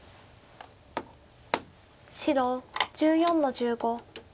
白１４の十五。